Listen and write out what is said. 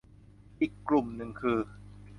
อีกกลุ่มนึงคือ